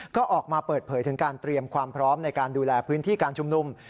ก็ออกมาเปิดเผยถึงการเตรียมความพร้อมในการดูแลพื้นที่การชุมนุม